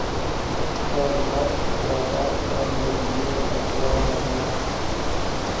گر نفس جادہٴ سر منزلِ تقویٰ نہ ہوا